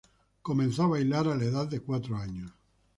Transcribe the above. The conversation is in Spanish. Comenzó a bailar a la edad de cuatro años.